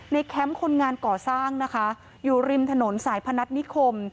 แคมป์คนงานก่อสร้างนะคะอยู่ริมถนนสายพนัฐนิคม